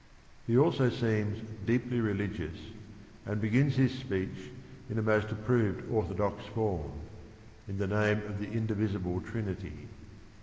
He also seems 'deeply religious and begins his speech, in the most approved orthodox form, "In the name of the indivisible Trinity."